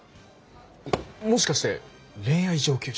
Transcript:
もしかして恋愛上級者？